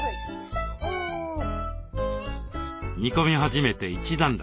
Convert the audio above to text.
煮込み始めて一段落。